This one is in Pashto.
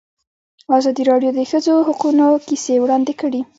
ازادي راډیو د د ښځو حقونه کیسې وړاندې کړي.